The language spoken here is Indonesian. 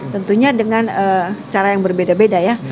tentunya dengan cara yang berbeda beda ya